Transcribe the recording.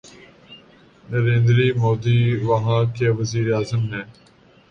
نریندر مودی وہاں کے وزیر اعظم ہیں۔